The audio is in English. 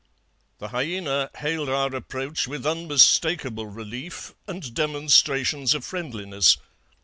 "The hyaena hailed our approach with unmistakable relief and demonstrations of friendliness.